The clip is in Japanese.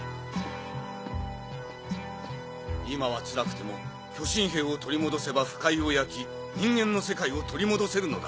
今はつらくても巨神兵を取り戻せば腐海を焼き人間の世界を取り戻せるのだ。